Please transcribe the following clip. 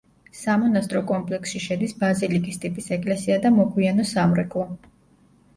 სამონასტრო კომპლექსში შედის ბაზილიკის ტიპის ეკლესია და მოგვიანო სამრეკლო.